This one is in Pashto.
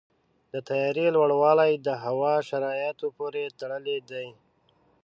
د طیارې لوړوالی د هوا شرایطو پورې تړلی دی.